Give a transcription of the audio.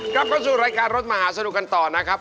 กลับเข้าสู่รายการรถมหาสนุกกันต่อนะครับ